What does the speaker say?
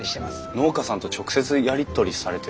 農家さんと直接やり取りされてるんですか？